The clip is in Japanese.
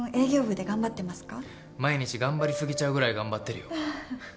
毎日頑張り過ぎちゃうぐらい頑張ってるよ。